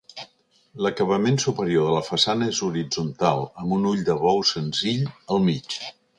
L'acabament superior de la façana és horitzontal, amb un ull de bou senzill al mig.